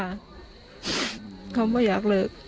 เขาไม่อยากเลิก